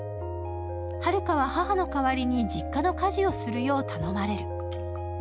榛花は母の代わりに実家の家事をするよう頼まれる。